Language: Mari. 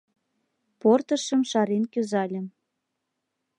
Портышым шарен кӱзальым;